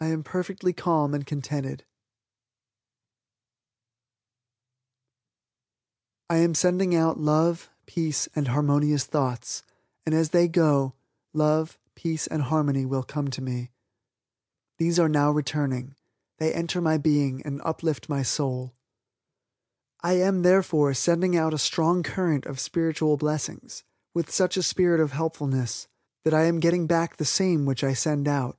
I am perfectly calm and contented. I am sending out love, peace and harmonious thoughts, and, as they go, love, peace and harmony will come to me. These are now returning. They enter my being and uplift my soul. I am, therefore, sending out a strong current of spiritual blessings, with such a spirit of helpfulness, that I am getting back the same which I send out.